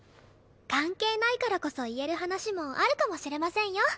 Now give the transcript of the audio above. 関係ないからこそ言える話もあるかもしれませんよ。